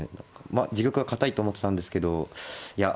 まあ自玉は堅いと思ってたんですけどいや